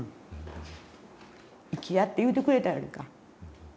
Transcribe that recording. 「行きや」って言うてくれたやんか。